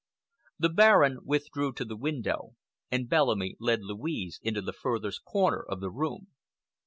The Baron withdrew to the window, and Bellamy led Louise into the furthest corner of the room.